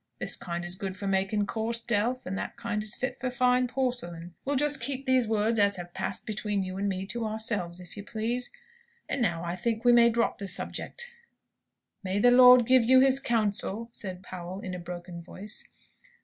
This kind is good for making coarse delf, and that kind is fit for fine porcelain. We'll just keep these words as have passed between you and me, to ourselves, if you please. And now, I I think, we may drop the subject." "May the Lord give you his counsel!" said Powell, in a broken voice.